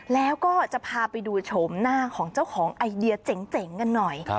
แล้วก็จะพาไปดูโฉมหน้าของเจ้าของไอเดียเจ๋งกันหน่อย